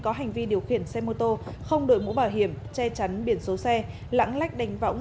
có hành vi điều khiển xe mô tô không đổi mũ bảo hiểm che chắn biển số xe lãng lách đánh võng